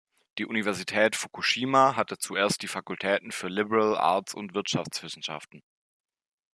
Die Universität Fukushima hatte zuerst die Fakultäten für Liberal Arts und Wirtschaftswissenschaften.